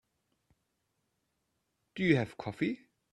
Do you have coffee?